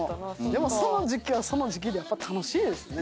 でもその時期はその時期で楽しいですね。